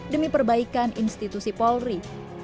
demi perbaikan institusi polri